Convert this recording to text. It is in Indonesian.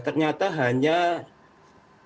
ternyata hanya tiga yang salah